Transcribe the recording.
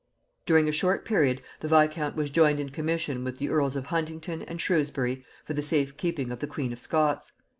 During a short period the viscount was joined in commission with the earls of Huntingdon and Shrewsbury for the safe keeping of the queen of Scots.